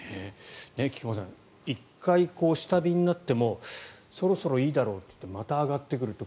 菊間さん１回下火になってもそろそろいいだろうといってまた上がってくるという。